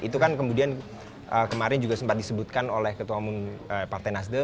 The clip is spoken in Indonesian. itu kan kemudian kemarin juga sempat disebutkan oleh ketua umum partai nasdem